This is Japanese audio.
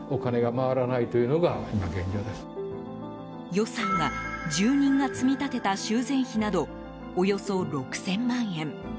予算は、住人が積み立てた修繕費などおよそ６０００万円。